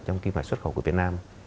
trong kinh hoạt xuất khẩu của việt nam